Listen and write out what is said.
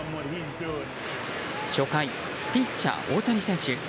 初回、ピッチャー、大谷選手。